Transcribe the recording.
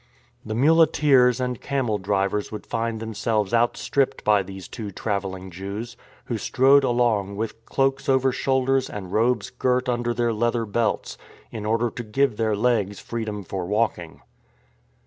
The muleteers and camel drivers would find them selves outstripped by these two travelling Jews, who strode along with cloaks over shoulders and robes girt under their leather belts, in order to give their legs freedom for walking.